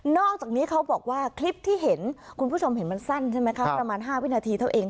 อกจากนี้เขาบอกว่าคลิปที่เห็นคุณผู้ชมเห็นมันสั้นใช่ไหมคะประมาณ๕วินาทีเท่าเอง